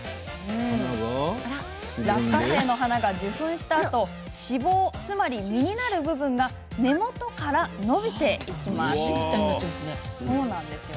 落花生の花が受粉したあと子房、つまり実になる部分が根元から伸びていきます。